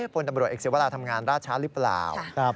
พตรเอกศิวราทำงานราชาธิ์หรือเปล่า